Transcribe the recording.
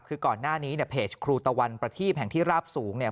คือก่อนหน้านี้เนี่ยเพจครูตะวันประทีบแห่งที่ราบสูงเนี่ย